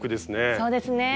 そうですね。